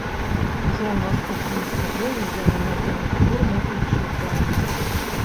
Ужо ў наступным сезоне яны надзенуць форму іншай краіны.